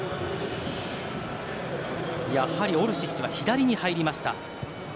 やはりオルシッチは左に入りました。